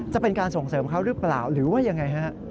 จะเป็นการส่งเสริมเขาหรือเปล่าหรือว่ายังไงฮะ